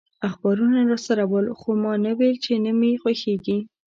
اخبارونه راسره ول، خو ما نه ویل چي نه مي خوښیږي.